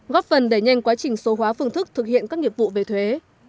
góp phần đẩy nhanh quá trình số hóa phương thức thực hiện các nghiệp vụ về thuế